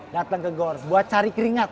dateng ke gorz buat cari keringat